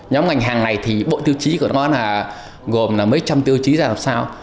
nhóm ngành hàng này thì bộ tiêu chí của nó là gồm là mấy trăm tiêu chí ra làm sao